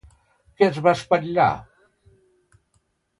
Què es va espatllar?